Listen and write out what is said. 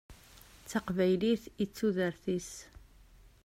D taqbaylit i d tudert-is.